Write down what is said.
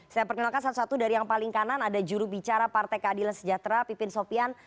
saya perkenalkan satu satu dari yang paling kanan ada jurubicara partai keadilan sejahtera pipin sopian